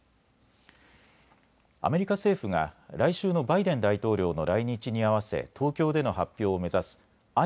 アメリカ政府が来週のバイデン大統領の来日に合わせ東京での発表を目指す